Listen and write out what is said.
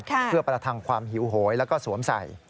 เพื่อประทังความหิวโหยแล้วก็สวมใส่